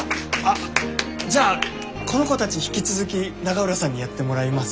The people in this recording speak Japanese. じゃあこの子たち引き続き永浦さんにやってもらいます？